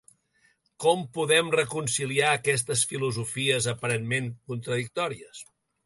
Com podem reconciliar aquestes filosofies aparentment contradictòries?